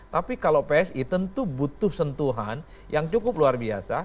tapi kalau psi tentu butuh sentuhan yang cukup luar biasa